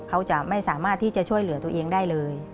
เขาจะไม่สามารถที่จะช่วยเหลือตัวเองได้เลย